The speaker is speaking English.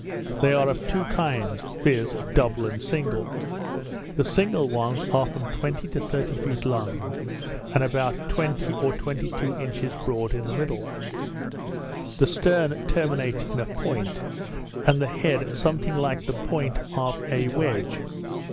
They are of two kinds, viz. double and single. The single ones are from twenty to thirty feet long, and about twenty or twenty two inches broad in the middle; the stern terminates in a point, and the head something like the point of a wedge.